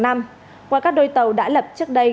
ngoài các đôi tàu đã lập trước đây